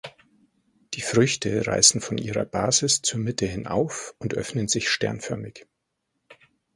Die Früchte reißen von ihrer Basis zur Mitte hin auf und öffnen sich sternförmig.